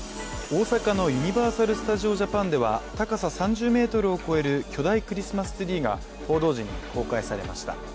大阪のユニバーサル・スタジオ・ジャパンでは高さ３０ｍを超える巨大クリスマスツリーが報道陣に公開されました。